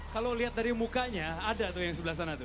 kalau lihat dari mukanya ada tuh yang sebelah sana tuh